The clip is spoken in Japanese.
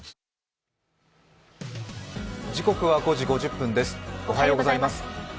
時刻は５時５０分ですおはようございます。